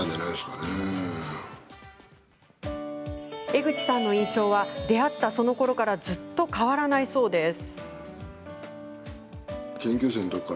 江口さんの印象は出会ったそのころからずっと変わらないそうです。